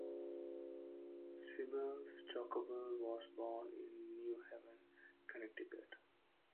Sybil Stockdale was born in New Haven, Connecticut.